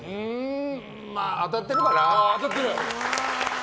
まあ、当たってるかな。